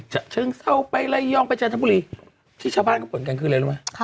จะเชิงเศร้าไปแล้วย่องไปชาติบุรีที่ชาวบ้านก็บ่นกันคืออะไรรู้ไหม